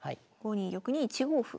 ５二玉に１五歩。